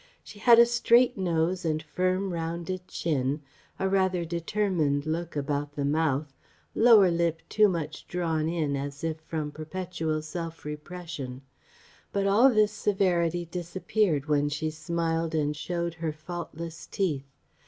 She had a straight nose and firm rounded chin, a rather determined look about the mouth lower lip too much drawn in as if from perpetual self repression. But all this severity disappeared when she smiled and showed her faultless teeth.